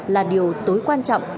là điều tối quan trọng